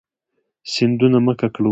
سیندونه مه ککړوئ